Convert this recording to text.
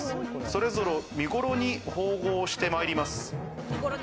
それぞれ身頃に縫合してまいります。